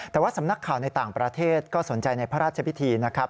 แต่ว่าสำนักข่าวในต่างประเทศก็สนใจในพระราชพิธีนะครับ